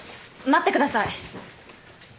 待ってください。